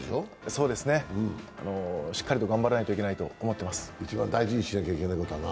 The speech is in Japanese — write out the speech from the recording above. そうですね、しっかりと頑張らないといけないと思っています。